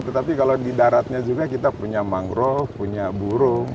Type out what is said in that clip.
tetapi kalau di daratnya juga kita punya mangrove punya burung